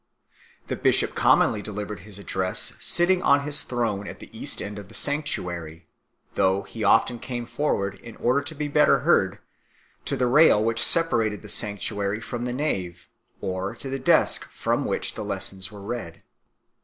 The bishop commonly delivered his address sitting on his throne at the east end of the sanctuary, though he often came forward, in order to be better heard, to the rail which separated the sanctuary from the nave, or to the desk from which the lessons were read.